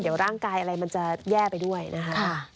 เดี๋ยวร่างกายอะไรมันจะแย่ไปด้วยนะคะ